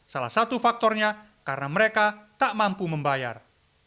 salah satu faktornya karena mereka tak mampu membayar